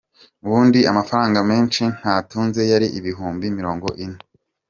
Ubundi amafaranga menshi natunze yari ibihumbi mirongo ine.”